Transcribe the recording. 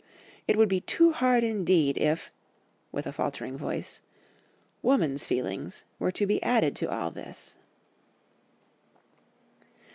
It would be too hard indeed if (with a faltering voice) woman's feelings were to be added to all this.